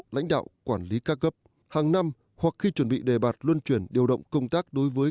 lãnh đạo quản lý ca cấp hàng năm hoặc khi chuẩn bị đề bạt luân chuyển điều động công tác đối với